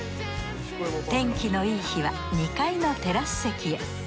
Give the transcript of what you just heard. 天気のいい日は２階のテラス席へ。